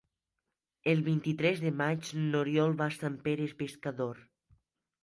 El vint-i-tres de maig n'Oriol va a Sant Pere Pescador.